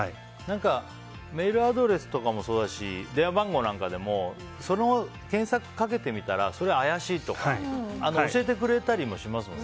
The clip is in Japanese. メールアドレスとかもそうだし電話番号も検索をかけてみたら怪しいとか教えてくれたりもしますよね。